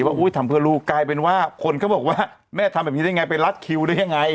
อุ้ยทำเพื่อลูกกลายเป็นว่าคนก็บอกว่าแม่ทำแบบนี้ได้ไงไปรัดคิวได้ยังไง